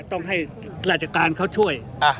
ต้องให้ราชการเขาช่วย